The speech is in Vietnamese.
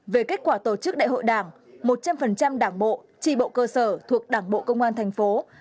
về kết quả tổ chức đại hội đảng một trăm linh đảng bộ trì bộ cơ sở thuộc đảng bộ công an tp hcm